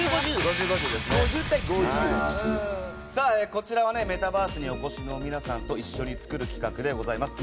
こちらはメタバースにお越しの皆さんと一緒に作る企画でございます。